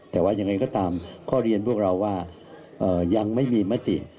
แต่ว่ายังไงก็ตามข้อเรียนพวกเราว่ายังไม่มีมติ